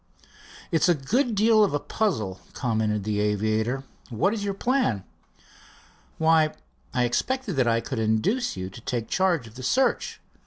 "It's a good deal of a puzzle," commented the aviator. "What is your plan?" "Why, I expected that I could induce you to take charge of the search.